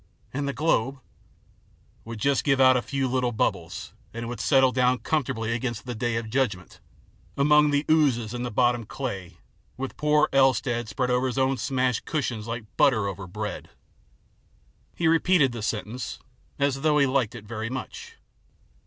" And the globe ?"" Would just give out a few little bubbles, and it would settle down comfortably against the day of judgment, among the oozes and the bottom clay with poor Elstead spread over his own smashed cushions like butter over bread." He repeated this sentence as though he liked it very much.